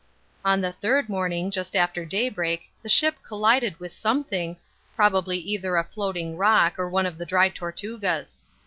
On the third morning just after daybreak the ship collided with something, probably either a floating rock or one of the dry Tortugas.